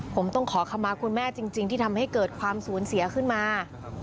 ผมต้องขอคำมาคุณแม่จริงที่ทำให้เกิดความสูญเสียขึ้นมา